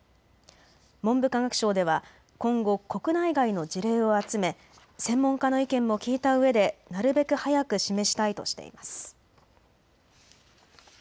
文部科学省では今後、国内外の事例を集め専門家の意見も聞いたうえでなるべく早く示したいとしています。